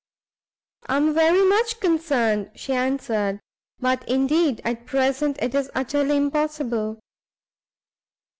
"I am very much concerned," she answered, "but indeed at present it is utterly impossible."